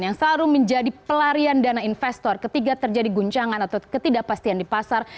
yang selalu menjadi pelarian dana investor ketika terjadi guncangan atau ketidakpastian di pasar